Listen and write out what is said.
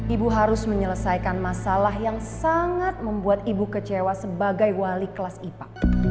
ibu harus menyelesaikan masalah yang sangat membuat ibu kecewa sebagai wali kelas ipa